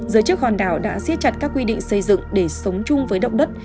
giới chức hòn đảo đã siết chặt các quy định xây dựng để sống chung với động đất